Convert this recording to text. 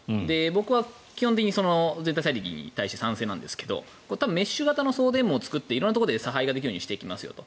僕は基本的に全体最適に対して賛成なんですがメッシュ型の送電網を作って色んなところで差配ができるようにしていきますと。